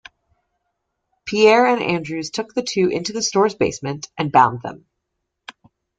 Pierre and Andrews took the two into the store's basement and bound them.